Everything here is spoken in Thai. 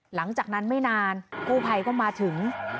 หลังจากนั้นไม่นานกู้ภัยก็มาถึง